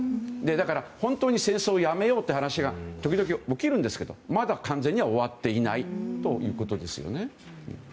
だから、本当に戦争をやめようって話が時々起きるんですけどまだ完全には終わっていないということです。